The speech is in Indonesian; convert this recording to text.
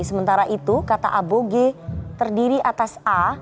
sementara itu kata aboge terdiri atas a